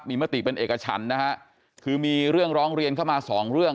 มีมติเป็นเอกฉันนะฮะคือมีเรื่องร้องเรียนเข้ามาสองเรื่อง